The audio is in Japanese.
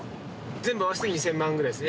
全部合わせて２０００万ぐらいですね